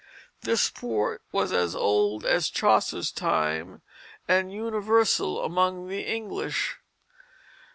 This sport was as old as Chaucer's time, and universal among the English.